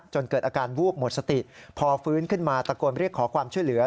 เกิดอาการวูบหมดสติพอฟื้นขึ้นมาตะโกนเรียกขอความช่วยเหลือ